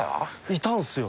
いたんすよ。